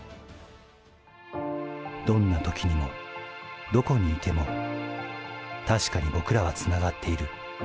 どんなときにもどこにいても確かに僕らはつながっている。